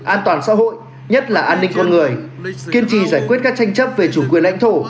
an toàn xã hội nhất là an ninh con người kiên trì giải quyết các tranh chấp về chủ quyền lãnh thổ